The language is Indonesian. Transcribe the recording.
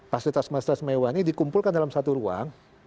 fasilitas fasilitas mewah ini dikumpulkan dalam satu ruang